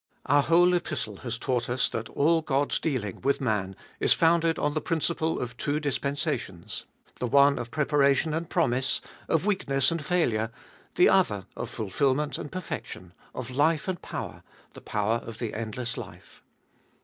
Our whole Epistle has taught us that all God's dealing with man is founded on the principle of two dispensations — the one of preparation and promise, of weakness and failure ; the other 506 *Ibe Tboltest of BU of fulfilment and perfection, of life and power, the power of the endless life.